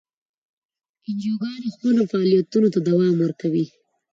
انجیوګانې خپلو فعالیتونو ته دوام ورکوي.